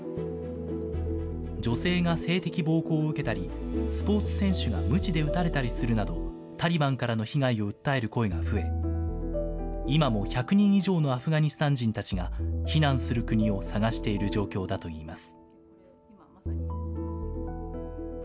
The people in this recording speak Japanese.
女性が性的暴行を受けたり、スポーツ選手がむちで打たれたりするなど、タリバンからの被害を訴える声が増え、今も１００人以上のアフガニスタン人たちが避難する国を探している状況だといいます。